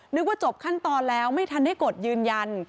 นึกว่าจบขั้นตอนแล้วไม่ทันได้กดยืนยัน